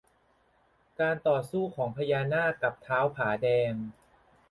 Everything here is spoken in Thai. จากการต่อสู้ของพญานาคกับท้าวผาแดง